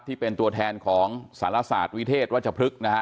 ที่เป็นตัวแทนของสารศาสตร์วิเทศวัชพฤกษ์นะฮะ